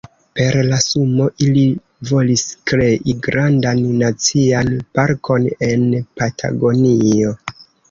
Per la sumo ili volis krei grandan nacian parkon en Patagonio.